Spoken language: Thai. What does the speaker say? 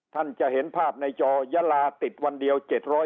ท่านจะเห็นภาพในจอยะลาติดวันเดียว๗๐